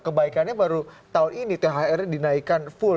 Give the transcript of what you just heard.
kebaikannya baru tahun ini thr dinaikkan full